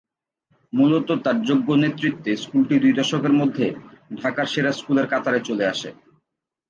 মূলত তার যোগ্য নেতৃত্বে স্কুলটি দুই দশকের মধ্যে ঢাকার সেরা স্কুলের কাতারে চলে আসে।